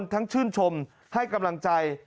ชื่นชมให้กำลังใจ